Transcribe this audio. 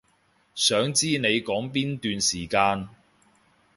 想知你講邊段時間